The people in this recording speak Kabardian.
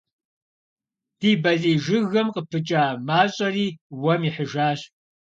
Ди балий жыгым къыпыкӏа мащӏэри уэм ихьыжащ.